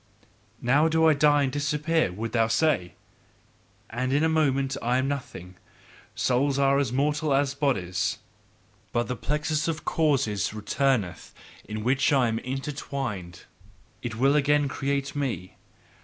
'Now do I die and disappear,' wouldst thou say, 'and in a moment I am nothing. Souls are as mortal as bodies. But the plexus of causes returneth in which I am intertwined, it will again create me!